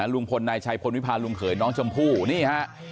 ลุงพลนายชัยพลวิพาลุงเขยน้องชมพู่นี่ฮะ